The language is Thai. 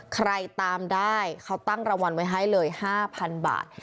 ใครตามได้เขาตั้งรางวัลไว้ให้เลย๕๐๐๐บาท